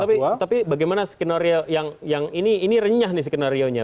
nah tapi bagaimana skenario yang ini ini renyah nih skenarionya